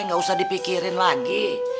gak usah dipikirin lagi